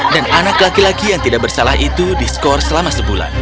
dan anak laki laki yang tidak bersalah itu diskor selama sebulan